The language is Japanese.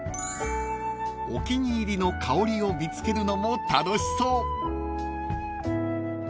［お気に入りの香りを見つけるのも楽しそう］